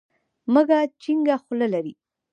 مږه چينګه خوله لري.